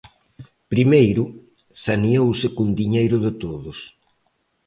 Primeiro, saneouse con diñeiro de todos.